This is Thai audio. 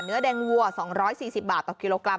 เนื้อแดงวัว๒๔๐บาทต่อกิโลกรั